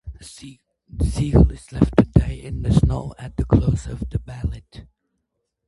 Cigale is left to die in the snow at the close of the ballet.